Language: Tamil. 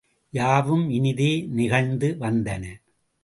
யாவும் இனிதே நிகழ்ந்து வந்தன.